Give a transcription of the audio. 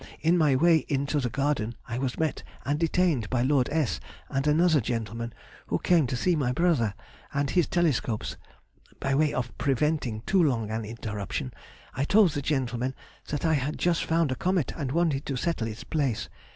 In my way into the garden I was met and detained by Lord S. and another gentleman, who came to see my brother and his telescopes. By way of preventing too long an interruption, I told the gentlemen that I had just found a comet, and wanted to settle its place.